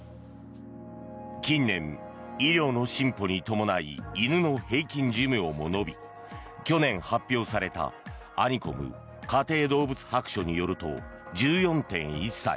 近年、医療の進歩に伴い犬の平均寿命も延び去年発表されたアニコム家庭どうぶつ白書によると１４．１歳。